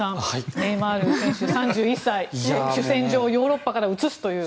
ネイマール選手３１歳主戦場をヨーロッパから移すという。